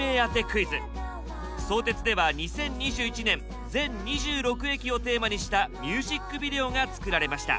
相鉄では２０２１年全２６駅をテーマにしたミュージックビデオが作られました。